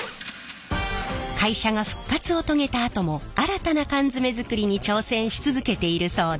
会社が復活を遂げたあとも新たな缶詰作りに挑戦し続けているそうで。